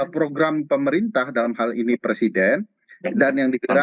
program pemerintah dalam hal ini presiden dan yang dikirakan